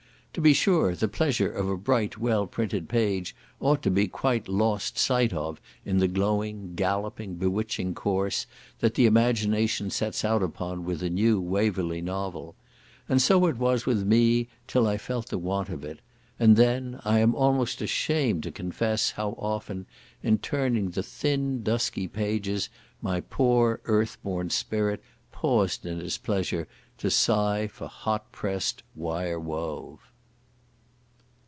To be sure the pleasure of a bright well printed page ought to be quite lost sight of in the glowing, galloping, bewitching course that the imagination sets out upon with a new Waverley novel; and so it was with me till I felt the want of it; and then I am almost ashamed to confess how often, in turning the thin dusky pages, my poor earth born spirit paused in its pleasure, to sigh for hot pressed wire wove.